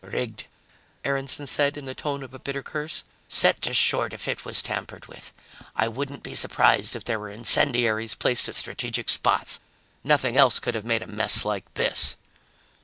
"Rigged," Aaronson said in the tone of a bitter curse. "Set to short if it was tampered with. I wouldn't be surprised if there were incendiaries placed at strategic spots. Nothing else could have made a mess like this."